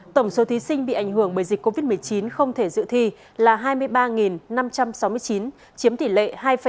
tổng số thí sinh bị ảnh hưởng bởi dịch covid một mươi chín không thể dự thi là hai mươi ba năm trăm sáu mươi chín chiếm tỷ lệ hai tám